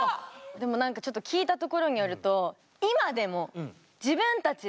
でも何かちょっと聞いたところによるとえっ。